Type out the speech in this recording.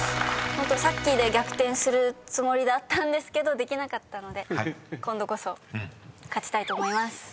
ホントさっきで逆転するつもりだったんですけどできなかったので今度こそ勝ちたいと思います。